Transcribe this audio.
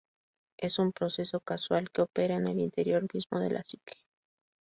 Es un proceso causal que opera en el interior mismo de la psique.